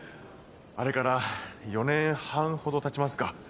あれから４年半ほどたちますか。